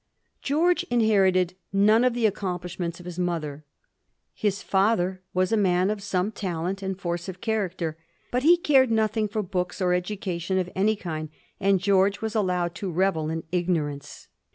Greorge inherited none of the accomplishments of his mother. His father was a man of some talent and force of character, but he cared nothing for books or education of any kind, and George was allowed to revel in ignorance.